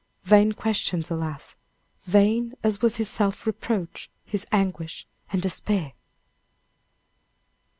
Vain questions, alas! vain as was his self reproach, his anguish and despair!